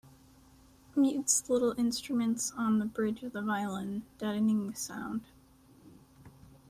Mutes little instruments on the bridge of the violin, deadening the sound.